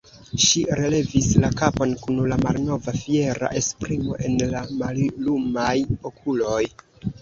Ŝi relevis la kapon kun la malnova fiera esprimo en la mallumaj okuloj.